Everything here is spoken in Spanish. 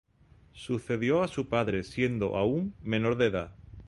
Sucedió a su padre siendo, aún, menor de edad.